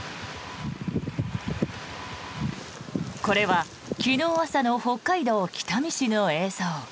これは昨日朝の北海道北見市の映像。